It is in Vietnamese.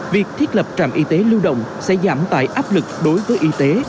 việc thiết lập trạm y tế lưu động sẽ giảm tải áp lực đối với y tế